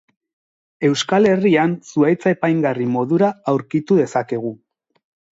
Euskal Herrian zuhaitz apaingarri modura aurkitu dezakegu.